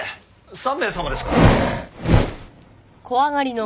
３名様ですか？